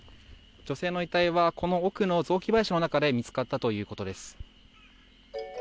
女性の遺体はこの奥の雑木林の中で見つかったということです。